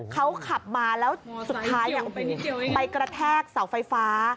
เขาขับมาแล้วสุดท้ายแมนเอาออกไปกระแทกเสาไฟฟ้า